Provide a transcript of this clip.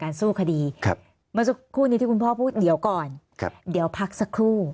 การสู้คดีครับมันจะคู่นี้ที่คุณพ่อพูดเดี๋ยวก่อนครับเดี๋ยวพักสักครู่